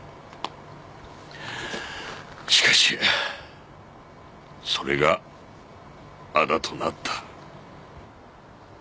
しかしそれがあだとなった。